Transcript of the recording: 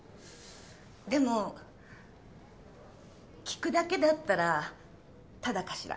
でも聞くだけだったらタダかしら？